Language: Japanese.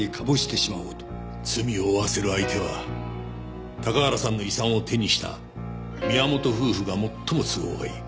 罪を負わせる相手は高原さんの遺産を手にした宮本夫婦が最も都合がいい。